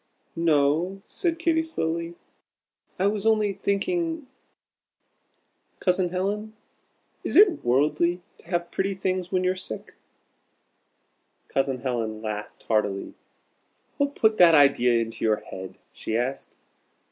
"No," said Katy, slowly, "I was only thinking Cousin Helen, is it worldly to have pretty things when you're sick?" Cousin Helen laughed heartily. "What put that idea into your head?" she asked.